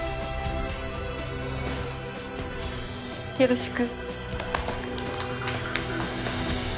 よろしく。